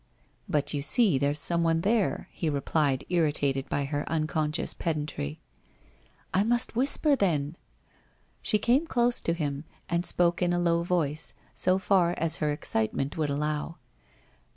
' But, you see there's someone there ?' he replied irri tated by her unconscious pedantry. * I must whisper, then/ She came close to him and spoke in a low voice, so far as her excitement would allow.